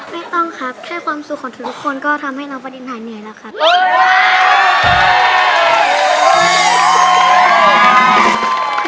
ไม่ต้องครับแค่ความสุขของทุกคนก็ทำให้น้องประดินหายเหนื่อยแล้วครับ